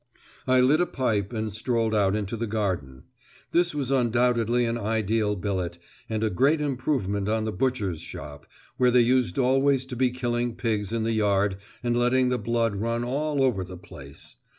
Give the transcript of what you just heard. I lit a pipe and strolled out into the garden. This was undoubtedly an ideal billet, and a great improvement on the butcher's shop, where they used always to be killing pigs in the yard and letting the blood run all over the place.